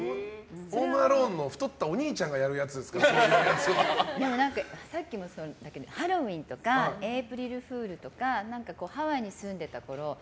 「ホーム・アローン」の太ったおにいちゃんがでも、さっきもあったけどハロウィーンとかエイプリルフールとかハワイに住んでたころ